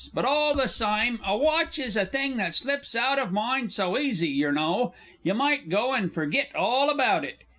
But all the sime, a watch is a thing that slips out of mind so easy, yer know. You might go and forgit all about it.